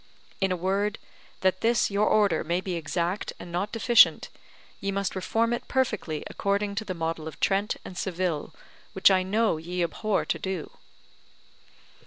In a word, that this your Order may be exact and not deficient, ye must reform it perfectly according to the model of Trent and Seville, which I know ye abhor to do.